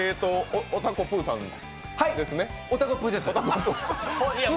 おたこぷーです。